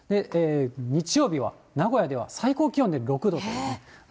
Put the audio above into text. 日曜日は名古屋では最高気温で６度と。